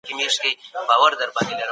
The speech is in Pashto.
د غریبانو حق مه خورئ.